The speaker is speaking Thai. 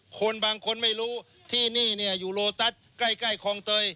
คนบางคนไม่รู้ที่นี่อยู่โลตัสใกล้คลองเตย